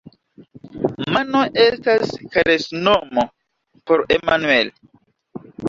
Mano estas karesnomo por Emmanuel.